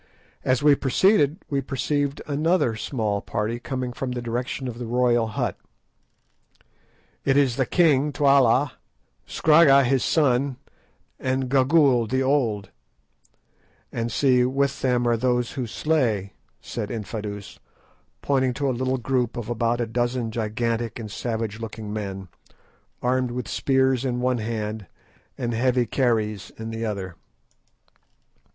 As we proceeded we perceived another small party coming from the direction of the royal hut. "It is the king Twala, Scragga his son, and Gagool the old; and see, with them are those who slay," said Infadoos, pointing to a little group of about a dozen gigantic and savage looking men, armed with spears in one hand and heavy kerries in the other.